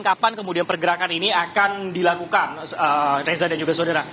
kapan kemudian pergerakan ini akan dilakukan reza dan juga saudara